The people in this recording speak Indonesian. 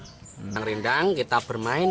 rindang rindang kita bermain